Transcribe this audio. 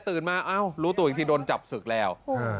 มาเอ้ารู้ตัวอีกทีโดนจับศึกแล้ว